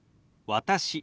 「私」。